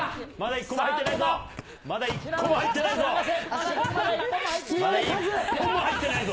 まだ一個も入ってないぞ。